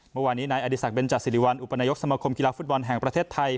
เมื่อวานนี้นายอดีศักดิเบนจสิริวัลอุปนายกสมคมกีฬาฟุตบอลแห่งประเทศไทย